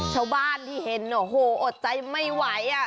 ชาวบ้านที่เห็นโอ้โหอดใจไม่ไหวอ่ะ